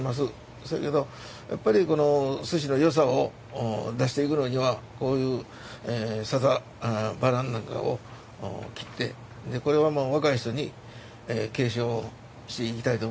そやけどやっぱりこの寿司のよさを出していくのにはこういう笹バランなんかを切ってこれは若い人に継承していきたいと思います。